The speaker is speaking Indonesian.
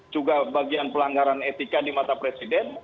juga bagian pelanggaran etika di mata presiden